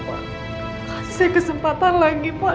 kasih kesempatan lagi pak